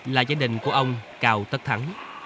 là gia đình của ông cao tất thắng